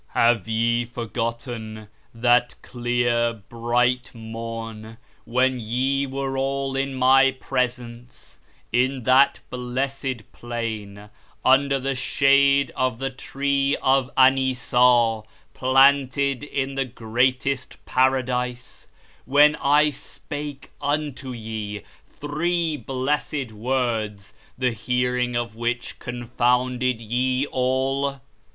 Have ye forgotten that clear, bright morn when ye were all in My Presence in that blessed plain under the shade of the Tree of Anyssa note, planted in the Greatest Paradise; when I spake unto ye, three Blessed Words, the hearing of which confounded ye all?